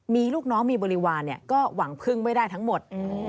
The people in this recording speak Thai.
มีลูกน้องมีบริวารก็หวังพึ่งไม่ได้ทั้งหมด